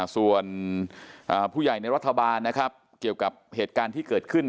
ส่วนผู้ใหญ่ในรัฐบาลนะครับเกี่ยวกับเหตุการณ์ที่เกิดขึ้น